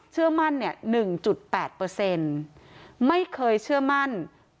เชื่อมั่น๑๘ไม่เคยเชื่อมั่น๘๗๓